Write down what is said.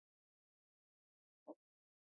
کاري پلان د ترسره کوونکي نوم لري.